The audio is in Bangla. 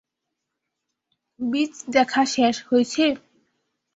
বীচ দেখা শেষ হইছে?